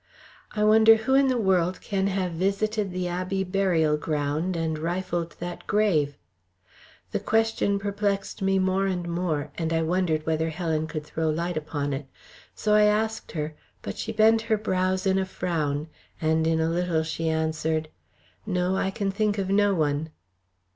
"I wonder who in the world can have visited the Abbey burial ground and rifled that grave?" The question perplexed me more and more, and I wondered whether Helen could throw light upon it. So I asked her, but she bent her brows in a frown, and in a little she answered: "No, I can think of no one."